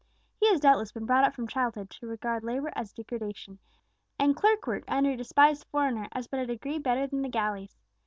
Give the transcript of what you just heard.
He has doubtless been brought up from childhood to regard labour as degradation, and clerk work under a despised foreigner as but a degree better than the galleys.